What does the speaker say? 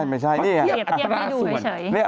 ไม่ใช่นี่นะครับเพียบราส่วนใช่อยู่แบบนั้น